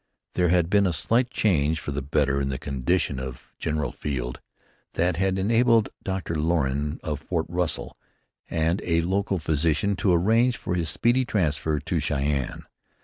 There had been a slight change for the better in the condition of General Field that had enabled Dr. Lorain of Fort Russell and a local physician to arrange for his speedy transfer to Cheyenne.